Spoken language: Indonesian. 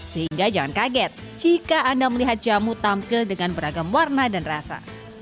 sehingga jangan kaget jika anda melihat jamu tampil dengan beragam warna dan rasa